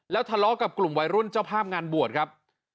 ทะเลาะกับกลุ่มวัยรุ่นเจ้าภาพงานบวชครับ